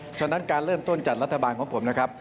ฉะนั้นการเริ่มต้นจัดรัฐบาลของผมนะครับ